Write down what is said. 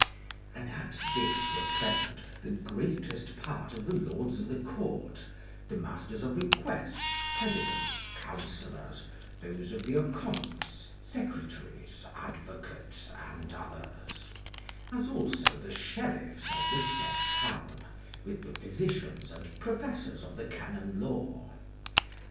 And at this were present the greatest part of the lords of the court, the masters of requests, presidents, counsellors, those of the accompts, secretaries, advocates, and others; as also the sheriffs of the said town, with the physicians and professors of the canon law.